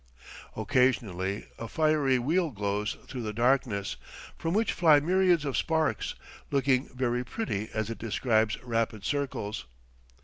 Occasionally a fiery wheel glows through the darkness, from which fly myriads of sparks, looking very pretty as it describes rapid circles.